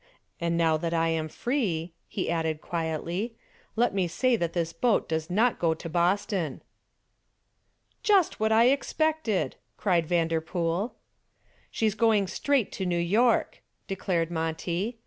And now that I am free," he added quietly, "let me say that this boat does not go to Boston." "Just what I expected," cried Vanderpool. "She's going straight to New York!" declared Monty.